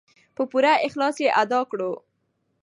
په پوره اخلاص یې ادا کړو.